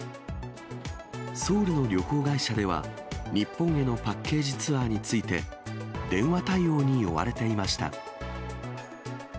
ソウルの旅行会社では、日本へのパッケージツアーについて、電話対応に追われていました。